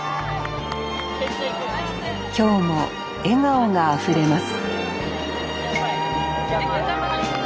今日も笑顔があふれます